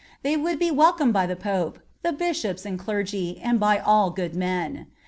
They would be welcomed by the Pope, the Bishops and clergy, and by all good men.